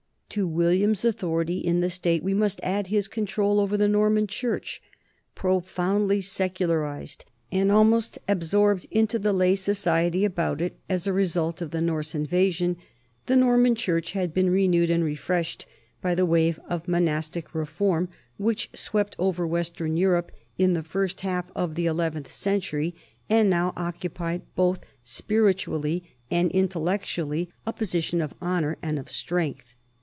To William's authority in the state we must add his control over the Norman church. Profoundly secularized and almost absorbed into the lay society about it as a result of the Norse invasion, the Norman church had been renewed and refreshed by the wave of monastic reform which swept over western Europe in the first half of the eleventh century, and now occupied both spiritually and intellectually a position of honor and of strength.